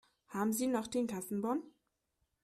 Haben Sie noch den Kassenbon?